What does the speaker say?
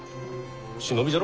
忍びじゃろ？